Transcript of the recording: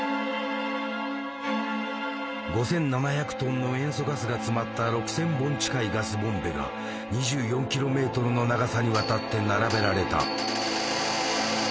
５，７００ｔの塩素ガスが詰まった６，０００本近いガスボンベが２４ｋｍの長さにわたって並べられた。